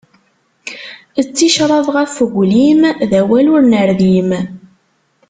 D ticraḍ ɣef uglim, d awal ur nerdim.